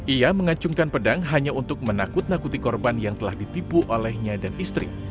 ia mengacungkan pedang hanya untuk menakut nakuti korban yang telah ditipu olehnya dan istri